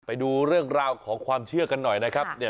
ไปดูเรื่องราวของความเชื่อกันหน่อยนะครับ